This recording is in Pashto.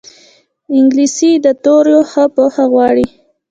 انګلیسي د توریو ښه پوهه غواړي